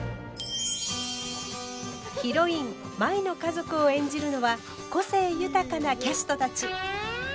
ヒロイン舞の家族を演じるのは個性豊かなキャストたち。